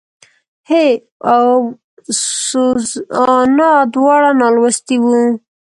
هېي او سوزانا دواړه نالوستي وو.